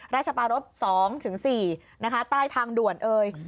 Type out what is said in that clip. ราชปารพ๒๔นะคะใต้ทางด่วนเอ่ย